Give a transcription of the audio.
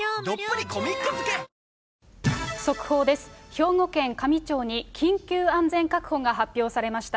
兵庫県香美町に、緊急安全確保が発表されました。